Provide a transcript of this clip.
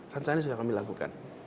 rencana sudah kami lakukan